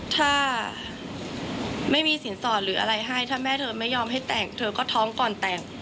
ถ้าไม่มีสินสอดหรืออะไรให้ถ้าแม่เธอไม่ยอมให้แต่งเธอก็ท้องก่อนแต่ง